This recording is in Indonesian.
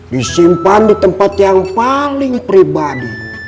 disimpan di tempat yang paling pribadi